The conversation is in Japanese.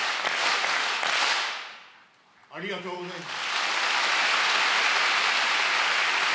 ありがとうございます。